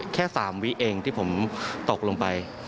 แค่๓วิเองที่ผมตกลงไป